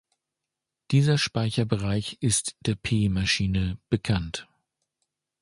Dieser Speicherbereich ist der P-Maschine „bekannt“.